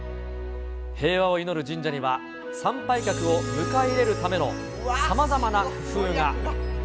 平和を祈る神社には、参拝客を迎え入れるためのさまざまな工夫が。